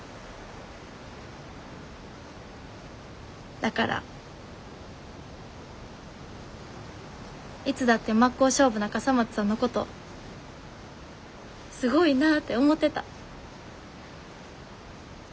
だからいつだって真っ向勝負な笠松さんのことすごいなぁって思ってた。